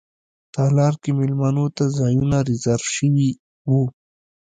تالار کې میلمنو ته ځایونه ریزرف شوي وو.